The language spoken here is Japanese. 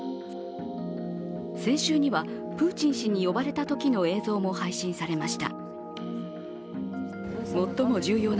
先週にはプーチン氏に呼ばれたときの映像も配信されました。